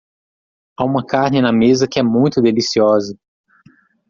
Há uma carne na mesa que é muito deliciosa.